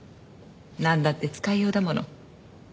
なんだって使いようだもの。